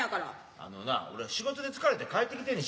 あのな俺は仕事で疲れて帰ってきてんねん。